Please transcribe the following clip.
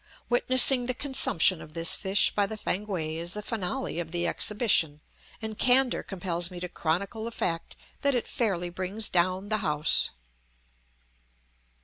Witnessing the consumption of this fish by the Fankwae is the finale of the "exhibition," and candor compels me to chronicle the fact that it fairly brings down the house.